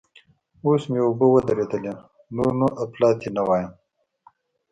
اوس مې اوبه ودرېدلې؛ نور نو اپلاتي نه وایم.